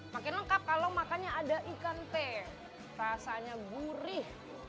makin lengkap kalau makannya ada ikan teh rasanya gurih